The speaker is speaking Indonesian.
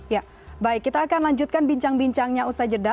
ya baik kita akan lanjutkan bincang bincangnya usai jeda